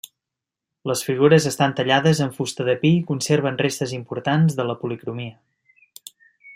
Les figures estan tallades en fusta de pi i conserven restes importants de la policromia.